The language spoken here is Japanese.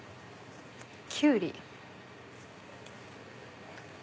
キュウリ。